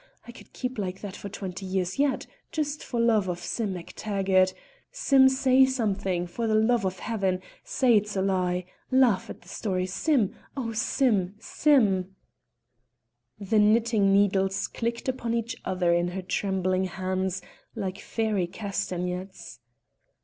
I could keep like that for twenty years yet, just for love of Sim MacTaggart. Sim, say something, for the love of Heaven! Say it's a lie. Laugh at the story, Sim! Oh, Sim! Sim!" The knitting needles clicked upon each other in her trembling hands, like fairy castanets.